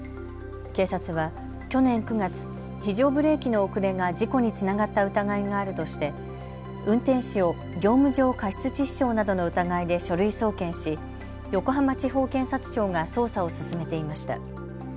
警察は去年９月、非常ブレーキの遅れが事故につながった疑いがあるとして運転士を業務上過失致死傷などの疑いで書類送検し横浜地方検察庁が捜査を進めていました。